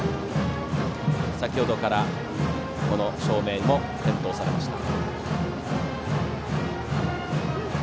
先ほどからこの照明も点灯されました。